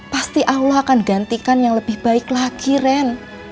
pasti allah akan gantikan yang lebih baik lagi ren